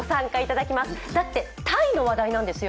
だって、鯛の話題なんですよ。